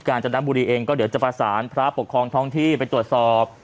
จนบุรีเองก็เดี๋ยวจะประสานพระปกครองท้องที่ไปตรวจสอบ